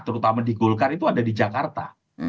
terutama di golkar itu ada di jakarta